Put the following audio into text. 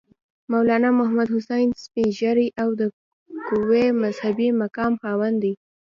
مولنا محمودالحسن سپین ږیری او د قوي مذهبي مقام خاوند دی.